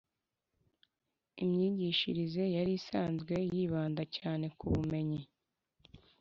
Imyigishirize yari isanzwe yibandaga cyane ku bumenyi